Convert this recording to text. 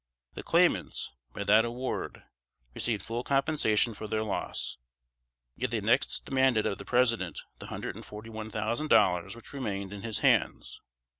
The claimants, by that award, received full compensation for their loss; yet they next demanded of the President the hundred and forty one thousand dollars which remained in his hands.